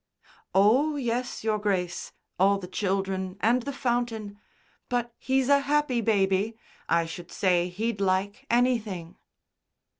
"Oh, yes, Your Grace; all the children and the fountain. But he's a happy baby. I should say he'd like anything."